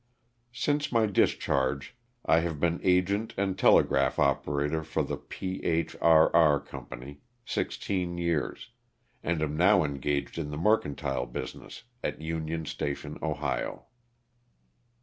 Since my discharge I have been agent and telegraph operator for the P. H. R. R. Co. sixteen years, and am now engaged in the mercantile business at Union Sta tion, Ohio.